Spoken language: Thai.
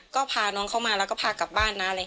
ก็พาน้องเขามาแล้วก็พากลับบ้านนะ